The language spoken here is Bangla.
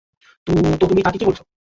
তো তুমি তাকে কি বলেছ?